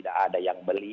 tidak ada yang beli